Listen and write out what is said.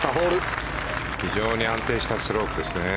非常に安定したストロークですね。